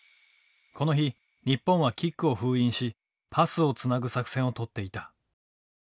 この日日本はキックを封印しパスをつなぐ作戦をとっていた。